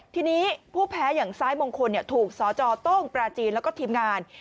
ทีนี้ผู้แพ้อย่างซ้ายมงคลถูกสจโต้งปราจีนแล้วก็ทีมงาน